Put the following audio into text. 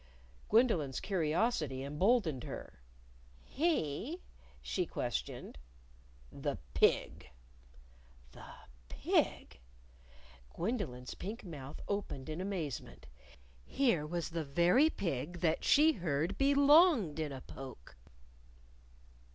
Gwendolyn's curiosity emboldened her. "He?" she questioned. "The pig." The pig! Gwendolyn's pink mouth opened in amazement. Here was the very pig that she heard belonged in a poke!